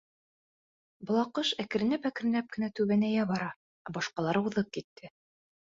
Был аҡҡош әкренләп-әкренләп кенә түбәнәйә бара, ә башҡалары уҙып китте.